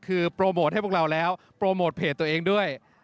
คือโปรโมทให้พวกเราแล้วโปรโมทเพจตัวเองด้วย